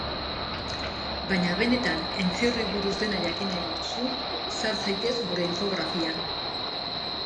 Baina benetan entzierroei buruz dena jakin nahi baduzu, sar zaitez gure infografian.